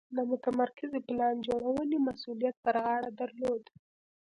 د متمرکزې پلان جوړونې مسوولیت پر غاړه درلود.